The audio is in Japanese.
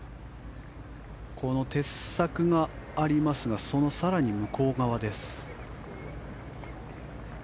鉄柵がありますがその更に向こう側です。